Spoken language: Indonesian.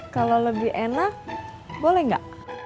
kalau lebih enak boleh nggak